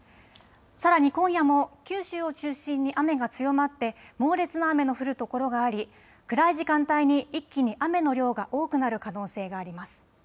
さらに今夜も九州を中心に雨が強まって猛烈な雨の降る所があり暗い時間帯に一気に雨の量が多くなる可能性があります。